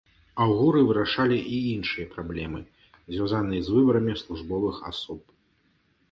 Аўгуры вырашалі і іншыя праблемы, звязаныя з выбарамі службовых асоб.